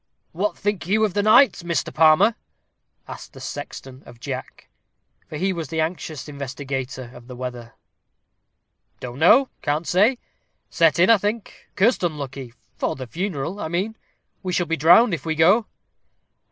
"What think you of the night, Mr. Palmer?" asked the sexton of Jack, for he was the anxious investigator of the weather. "Don't know can't say set in, I think cursed unlucky for the funeral, I mean we shall be drowned if we go."